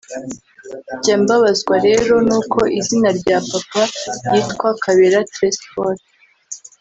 Jya mbabazwa rero n’uko izina rya papa yitwa Kabera Tresphore